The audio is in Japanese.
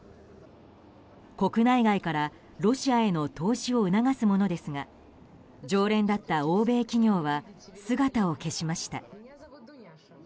国内外からロシアへの投資を促すものですが常連だった欧米企業は姿を消しました。